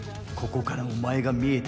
ここからお前が見えてるぞ。